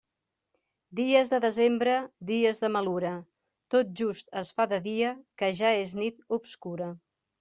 Dies de desembre, dies de malura: tot just es fa de dia que ja és nit obscura.